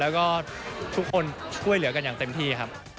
แล้วก็ทุกคนช่วยเหลือกันอย่างเต็มที่ครับ